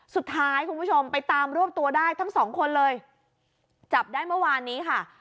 คุณผู้ชมไปตามรวบตัวได้ทั้งสองคนเลยจับได้เมื่อวานนี้ค่ะ